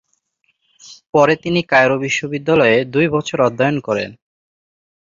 পরে তিনি কায়রো বিশ্ববিদ্যালয়ে দুই বছর অধ্যয়ন করেন।